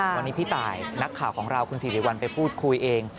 วันนี้พี่ตายนักข่าวของเราคุณสิริวัลไปพูดคุยเอง